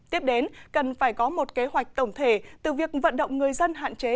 tiếp đến cần phải có một kế hoạch tổng thể từ việc vận động người dân hạn chế